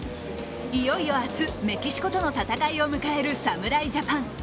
いよいよ明日、メキシコとの戦いを迎える侍ジャパン。